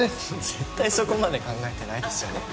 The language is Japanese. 絶対そこまで考えてないですよね。